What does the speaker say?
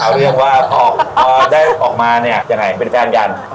เอาเรื่องว่าออกได้ออกมาเนี่ยอย่างไหนเป็นแฟนกัน